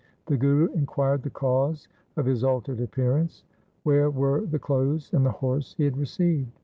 The Guru inquired the cause of his altered appear ance. Where were the clothes and the horse he had received ?